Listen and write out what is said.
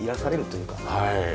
はい。